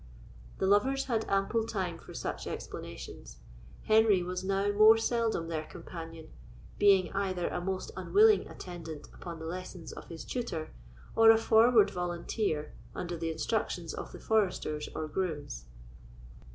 The lovers had ample time for such explanations. Henry was now more seldom their companion, being either a most unwilling attendant upon the lessons of his tutor, or a forward volunteer under the instructions of the foresters or grooms.